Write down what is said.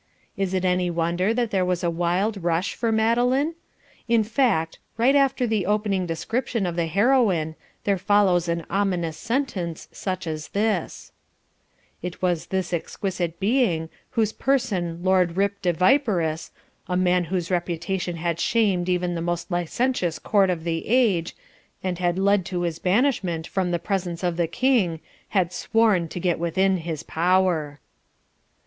Is it any wonder that there was a wild rush for Madeline? In fact, right after the opening description of the Heroine, there follows an ominous sentence such as this: "It was this exquisite being whose person Lord Rip de Viperous, a man whose reputation had shamed even the most licentious court of the age, and had led to his banishment from the presence of the king, had sworn to get within his power."